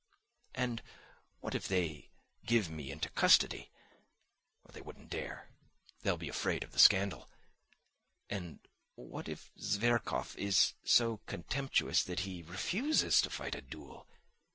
And what if they give me into custody? They won't dare! They'll be afraid of the scandal. And what if Zverkov is so contemptuous that he refuses to fight a duel?